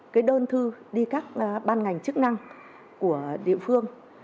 cái đơn thư đi các ban ngành chức năng của địa phương